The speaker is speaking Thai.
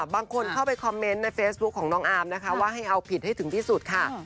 บางคนเข้าไปคอมเมนต์ในเฟซบุ๊คของน้องอาร์มนะคะว่าให้เอาผิดให้ถึงที่สุดค่ะ